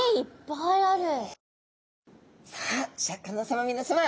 さあシャーク香音さま皆さま！